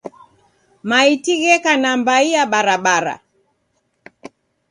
Maiti gheka nambai ya barabara.